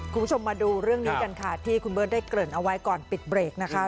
คุณผู้ชมมาดูเรื่องนี้กันค่ะที่คุณเบิร์ตได้เกริ่นเอาไว้ก่อนปิดเบรกนะคะ